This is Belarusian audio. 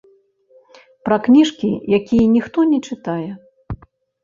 Пра кніжкі, якія ніхто не чытае.